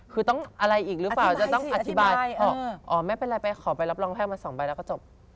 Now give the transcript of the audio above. คือต้องอะไรอีกหรือเปล่าจะต้องอธิบายอ๋อไม่เป็นไรไปขอใบรับรองแพทย์มาสองใบแล้วก็จบ